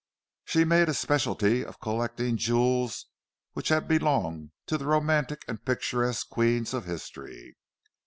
She made a speciality of collecting jewels which had belonged to the romantic and picturesque queens of history.